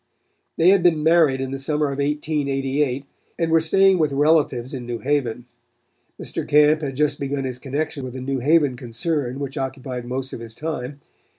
They had been married in the summer of 1888 and were staying with relatives in New Haven. Mr. Camp had just begun his connection with a New Haven concern which occupied most of his time.